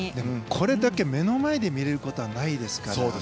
これだけ目の前で見れることはないですから。